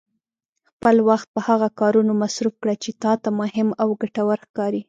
خپل وخت په هغه کارونو مصرف کړه چې تا ته مهم او ګټور ښکاري.